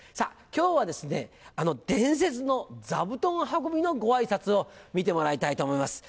今日は伝説の座布団運びのご挨拶を見てもらいたいと思います。